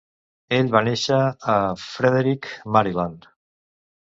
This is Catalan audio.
Ell va néixer a Frederick, Maryland.